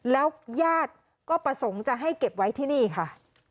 แล้วญาติก็ประสงค์จะให้เก็บไว้ที่นี่ค่ะ